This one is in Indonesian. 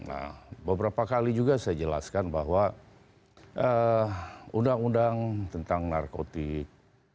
nah beberapa kali juga saya jelaskan bahwa undang undang tentang narkotik